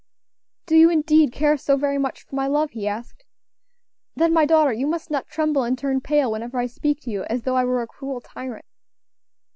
"Do you indeed care so very much for my love?" he asked; "then, my daughter, you must not tremble and turn pale whenever I speak to you, as though I were a cruel tyrant."